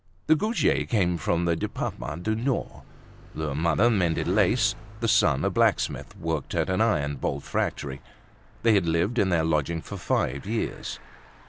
The Goujets came from the Departement du Nord. The mother mended lace; the son, a blacksmith, worked at an iron bolt factory. They had lived in their lodging for five years.